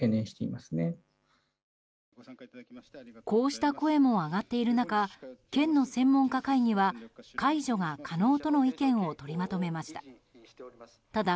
こうした声も上がっている中県の専門家会議は解除が可能との意見を取りまとめました。